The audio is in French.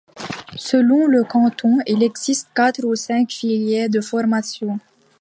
Selon le canton, il existe quatre ou cinq filières de formation.